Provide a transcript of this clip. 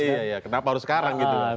iya ya kenapa harus sekarang gitu